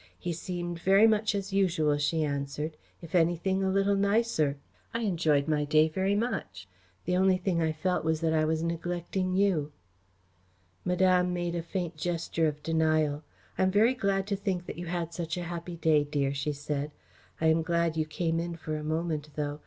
"He seemed very much as usual," she answered; "if anything a little nicer. I enjoyed my day very much. The only thing I felt was that I was neglecting you." Madame made a faint gesture of denial. "I am very glad to think that you had such a happy day, dear," she said. "I am glad you came in for a moment, though.